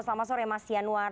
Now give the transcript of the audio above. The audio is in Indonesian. selamat sore mas yanuar